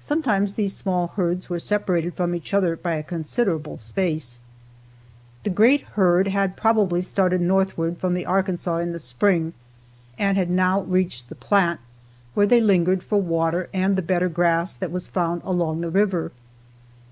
Sometimes these small herds were separated from each other by a considerable space. This great herd had probably started northward from the Arkansas in the spring and had now reached the Platte, where they lingered for water and the better grass that was found along the river.